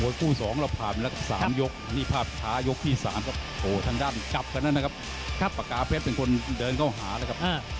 ยูมุ่งหมดโยก